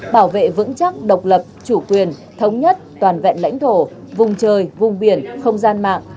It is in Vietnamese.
bảo vệ vững chắc độc lập chủ quyền thống nhất toàn vẹn lãnh thổ vùng trời vùng biển không gian mạng